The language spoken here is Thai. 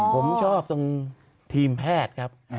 ผมชอบตรงทีมแพทย์ครับ